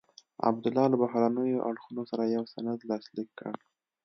عبدالله له بهرنیو اړخونو سره یو سند لاسلیک کړ.